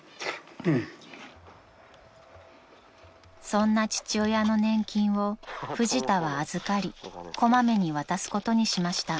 ［そんな父親の年金をフジタは預かり小まめに渡すことにしました］